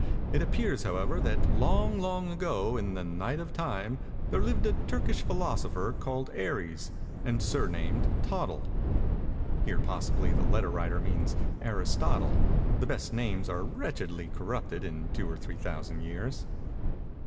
It appears, however, that long, long ago, in the night of Time, there lived a Turkish philosopher called Aries and surnamed Tottle." [Here, possibly, the letter writer means Aristotle; the best names are wretchedly corrupted in two or three thousand years.